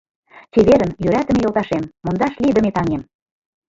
— Чеверын, йӧратыме йолташем, мондаш лийдыме таҥем!..